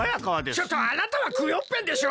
ちょっとあなたはクヨッペンでしょ？